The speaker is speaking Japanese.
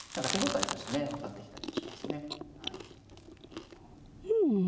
手応えとしてね分かってきたりもしますね。